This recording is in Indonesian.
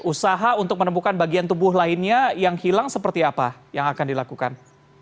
usaha untuk menemukan bagian tubuh lainnya yang hilang seperti apa yang akan dilakukan